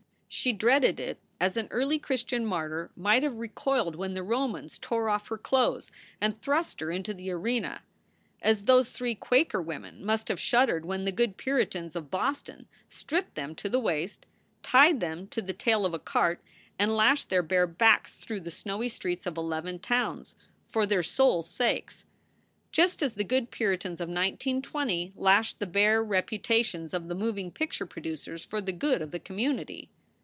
She dreaded it as an early Christian martyr might have recoiled when the Romans tore off her clothes and thrust her into the arena; as those three Quaker w r cmen must have shuddered when the good Puritans of Boston stripped them to the waist, tied them to the tail of a cart, and lashed their bare backs through the snowy streets of eleven towns for their souls sakes; just as the good Puritans of 1920 lashed the bare reputations of the moving picture producers for the good of the community.